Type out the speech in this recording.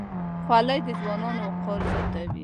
خولۍ د ځوانانو وقار زیاتوي.